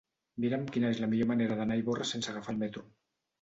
Mira'm quina és la millor manera d'anar a Ivorra sense agafar el metro.